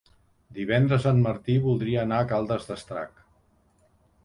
Divendres en Martí voldria anar a Caldes d'Estrac.